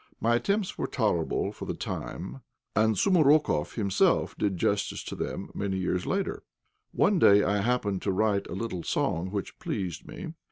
My attempts were tolerable for the time, and Soumarokoff himself did justice to them many years later. One day I happened to write a little song which pleased me.